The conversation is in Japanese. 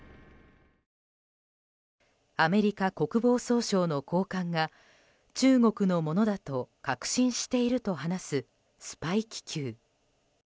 アメリカ国防総省の高官が中国のものだと確信していると話すスパイ気球。